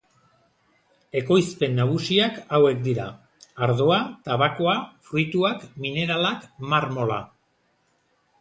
Ekoizpen nagusiak hauek dira: ardoa, tabakoa, fruituak, mineralak, marmola.